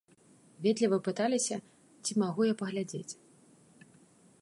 Ветліва пыталіся, ці магу я паглядзець.